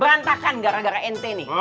berantakan gara gara nt nih